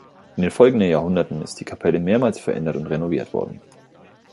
In den folgenden Jahrhunderten ist die Kapelle mehrmals verändert und renoviert worden.